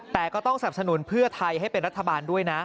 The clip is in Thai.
แต่ก็ต้องสับสนุนเพื่อไทยให้เป็นรัฐบาลด้วยนะ